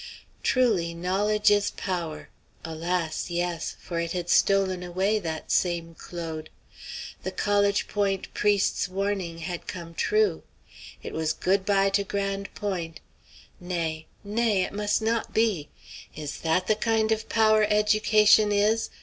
Truly "knowledge is power" alas! yes; for it had stolen away that same Claude. The College Point priest's warning had come true: it was "good by to Grande Pointe!" Nay, nay, it must not be! Is that the kind of power education is?